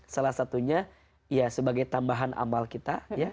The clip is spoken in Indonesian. salah satunya ya sebagai tambahan amal kita